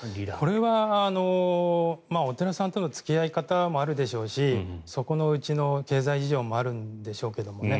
これはお寺さんとの付き合い方もあるでしょうしそこのうちの経済事情もあるんでしょうけれどもね。